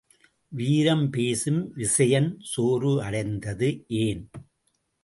வீரம் பேசும் விசயன் சோர்வு அடைந்தது ஏன்?